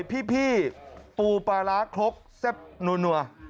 พี่ปูปลาร้าครกแซ่บนัว